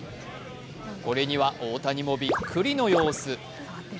これには大谷もびっくりの様子。